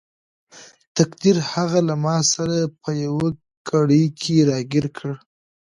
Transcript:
تقدیر هغه له ماسره په یوه کړۍ کې راګیر کړ.